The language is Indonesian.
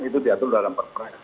itu diatur dalam perpres